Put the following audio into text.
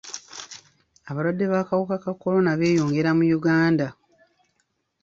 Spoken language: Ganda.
Abalwadde b'akawuka ka kolona beeyongera mu Uganda.